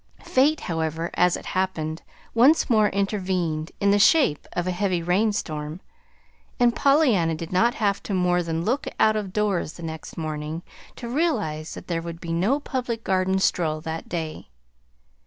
Fate, however, as it happened, once more intervened in the shape of a heavy rainstorm; and Pollyanna did not have to more than look out of doors the next morning to realize that there would be no Public Garden stroll that day.